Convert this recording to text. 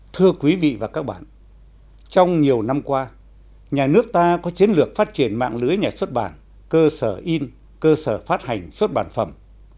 thưa quý vị và các bạn trong nhiều năm qua nhà nước ta có chiến lược phát triển mạng lưới nhà xuất bản cơ sở in cơ sở phát hành xuất bản phẩm